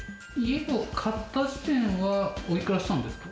買った時はおいくらしたんですか？